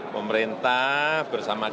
pemerintah tidak bisa membuat draft yang membuatnya